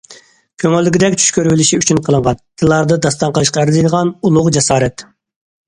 كۆڭۈلدىكىدەك چۈش كۆرۈۋېلىشى ئۈچۈن قىلىنغان، تىللاردا داستان قىلىشقا ئەرزىيدىغان« ئۇلۇغ جاسارەت»!